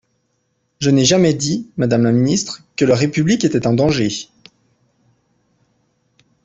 Je n’ai jamais dit, madame la ministre, que la République était en danger.